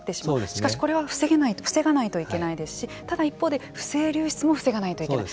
しかし、これは防がないといけないですしただ、一方で不正流出も防がないといけない。